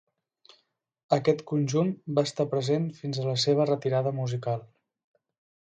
Aquest conjunt va estar present fins a la seva retirada musical.